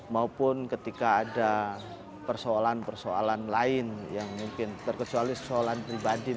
maupun ketika ada persoalan persoalan lain yang mungkin terkecuali persoalan pribadi